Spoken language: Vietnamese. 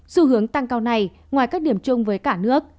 xu hướng tăng cao này ngoài các điểm chung với cả nước